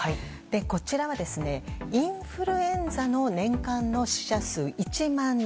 こちらはインフルエンザの年間の死者数１万人。